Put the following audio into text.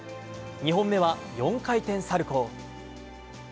２本目は４回転サルコウ。